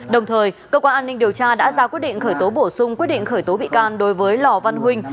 đồng thời cơ quan an ninh điều tra đã ra quyết định khởi tố bổ sung quyết định khởi tố bị can đối với lò văn huynh